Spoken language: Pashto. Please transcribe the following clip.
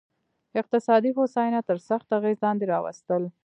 اقتصادي هوساینه تر سخت اغېز لاندې راوستل.